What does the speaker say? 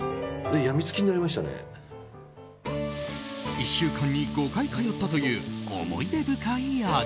１週間に５回通ったという思い出深い味。